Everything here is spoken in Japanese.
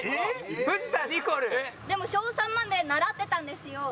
でも小３まで習ってたんですよ。